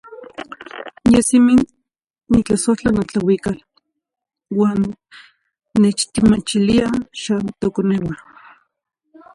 Yeh simi tictlasohtlah notlauical uan neh timachiliah xa toconeuh.